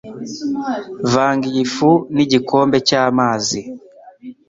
Vanga iyi fu nigikombe cyamazi.